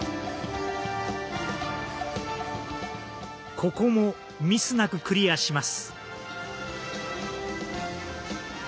ここもミスなくクリアします。